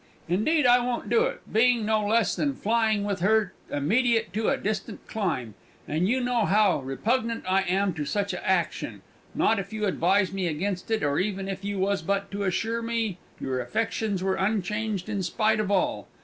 Indeed I wont do it, being no less than flying with her immediate to a distant climb, and you know how repugnant I am to such a action not if you advise me against it or even if you was but to assure me your affections were unchanged in spite of all!